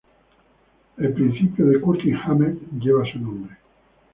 El principio de Curtin-Hammett lleva su nombre.